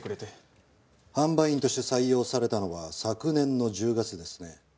販売員として採用されたのは昨年の１０月ですね。